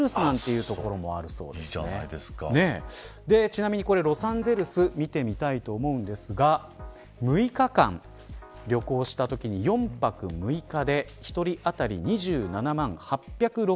ちなみにロサンゼルス見てみたいと思うんですが６日間旅行したときに４泊６日で１人当たり２７万８６４円。